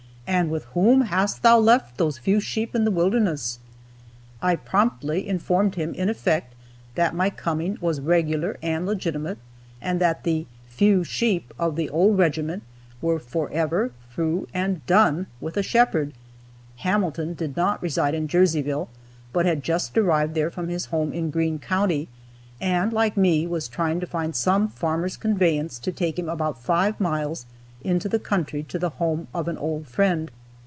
And with whom hast thou left those few sheep in the wilderness?" I promptly informed him, in effect, that my coming was regular and legitimate, and that the "few sheep" of the old regiment were forever through and done with a shepherd. Hamilton did not reside in Jerseyville, but had just arrived there from his home in Greene county, and, like me, was trying to find some farmer's conveyance to take him about five miles into the country to the home of an old friend.